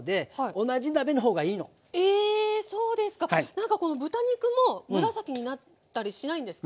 何かこの豚肉も紫になったりしないんですか？